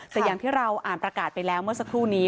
แต่อย่างที่เราอ่านประกาศไปแล้วเมื่อสักครู่นี้